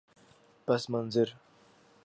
پس منظر